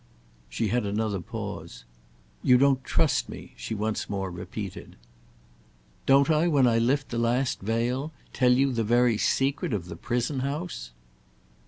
She had another pause. "You don't trust me!" she once more repeated. "Don't I when I lift the last veil?—tell you the very secret of the prison house?"